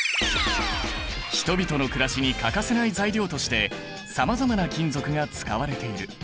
人々のくらしに欠かせない材料としてさまざまな金属が使われている。